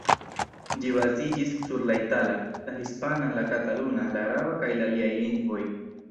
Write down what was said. Ĝi baziĝis sur la itala, la hispana, la kataluna, la araba kaj aliaj lingvoj.